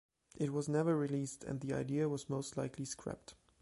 It was never released and the idea was most likely scrapped.